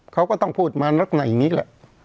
เขาก็ต้องพูดมาในนี้แหละ